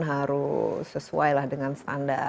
harus sesuai lah dengan standar